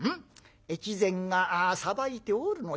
越前が裁いておるのじゃ。